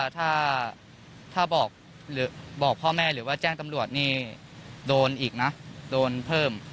ถ้าบอกพ่อแม่หรือว่าแจ้งตำรวจนี่โดนอีกนะโดนเพิ่ม